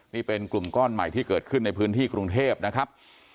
นี่เป็นกลุ่มก้อนใหม่ที่เกิดขึ้นในพื้นที่กรุงเทพนะครับ